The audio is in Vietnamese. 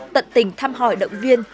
tận tình tham hỏi động viên